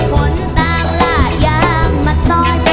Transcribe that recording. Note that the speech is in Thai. หวนต่างหลายอย่างมัดซอย